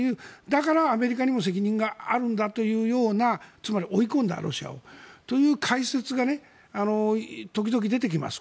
だからアメリカにも責任があるんだというようなロシアを追い込んだという解説が時々、出てきます。